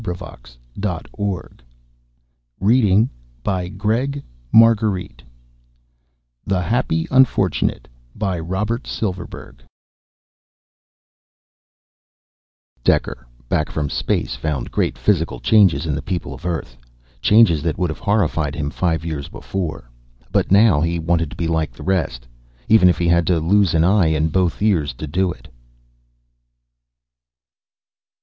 pgdp.net THE HAPPY UNFORTUNATE By ROBERT SILVERBERG _Dekker, back from space, found great physical changes in the people of Earth; changes that would have horrified him five years before. But now, he wanted to be like the rest even if he had to lose an eye and both ears to do it.